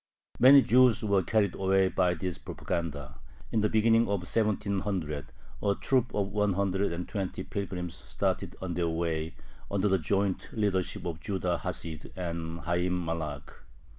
Many Jews were carried away by this propaganda. In the beginning of 1700, a troop of one hundred and twenty pilgrims started on their way, under the joint leadership of Judah Hasid and Hayyim Malakh.